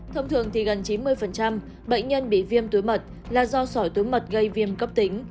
thông thường thì gần chín mươi bệnh nhân bị viêm túi mật là do sỏi túi mật gây viêm cấp tính